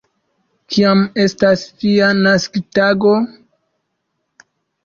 Kiam estas via naskiĝtago?